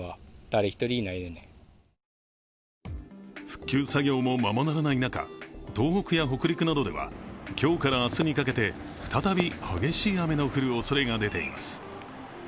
復旧作業もままならない中、東北や北陸などでは今日から明日にかけて再び激しい雨の降るおそれが出ています。